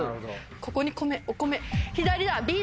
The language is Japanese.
ここに米お米左だ。